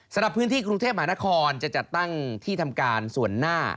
สำหรับพื้นที่กรุงเทพมหานครจะจัดตั้งที่ทำการส่วนหน้า